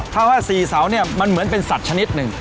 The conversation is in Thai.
ถ้าว่าสี่เสาเนี่ยมันเหมือนเป็นสัตว์ชนิดหนึ่ง